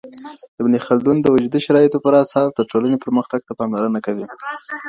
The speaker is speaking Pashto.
ابن خلدون د وجودي شرایطو پر اساس د ټولني پرمختګ ته پاملرنه کوي.